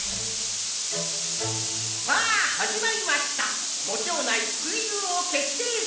さあ始まりましたご町内クイズ王決定戦！